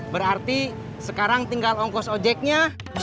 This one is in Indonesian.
berarti sekarang tinggal ongkos ojeknya